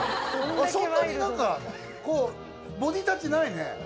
そんなに何かこうボディータッチないね。